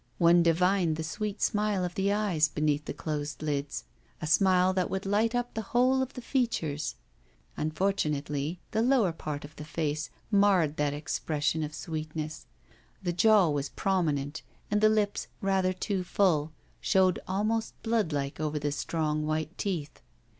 One divined the sweet smile of the eyes beneath the closed lids; a smile that would light up the whole of the features. Unfortunately, the lower part of the face marred that expression of sweetness; the jaw was prominent, and the lips, rather too full, showed almost blood like over the strong white teeth.